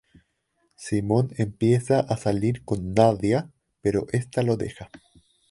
Simone empieza a salir con Nadia, pero esta lo deja.